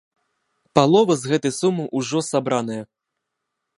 Палова з гэтай сумы ўжо сабраная.